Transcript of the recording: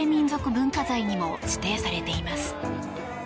文化財にも指定されています。